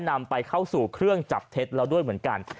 นำไปเข้าสู่เครื่องจับเท็จแล้วด้วยเหมือนกัน